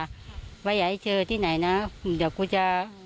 ว่าอย่าให้เจอที่ไหนนะเดี๋ยวกูจะ